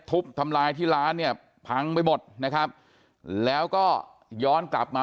ทุบทำลายที่ร้านเนี่ยพังไปหมดนะครับแล้วก็ย้อนกลับมา